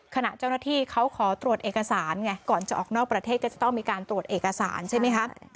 ขณะเจ้าหน้าที่เขาขอตรวจเอกสารไงก่อนจะออกนอกประเทศก็จะต้องมีการตรวจเอกสารใช่ไหมคะ